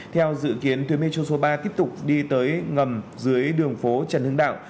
theo dự kiến tuyến metro số ba tiếp tục đi tới ngầm dưới đường phố trần hưng đạo